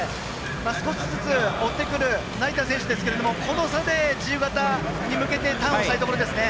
少しずつ追ってくる成田選手ですけれど、この差で自由形に向けてターンをしたいところですね。